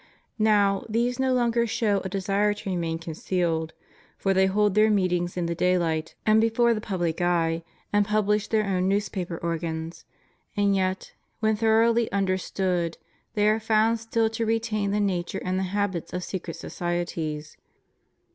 Now, these no longer show a desire to remain concealed ; for they hold their meetings in the daylight and before the public eye, and publish their own newspaper organs; and yet, when thoroughly under stood, they are found still to retain the nature and the habits of secret societies.